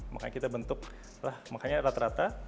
makanya kita bentuk lah makanya rata rata